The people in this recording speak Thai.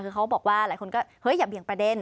คือเขาบอกว่าหลายคนก็เฮ้ยอย่าเบี่ยงประเด็น